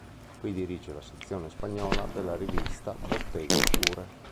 Qui dirige la sezione spagnola della rivista "Botteghe Oscure".